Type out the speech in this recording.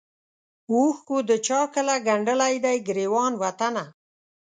اوښکو د چا کله ګنډلی دی ګرېوان وطنه